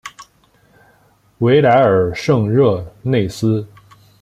维莱尔圣热内斯。